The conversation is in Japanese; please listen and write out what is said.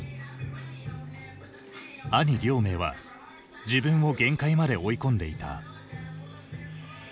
兄亮明は自分を限界まで追い込んでいた。